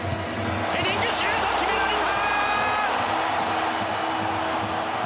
ヘディングシュート決められた！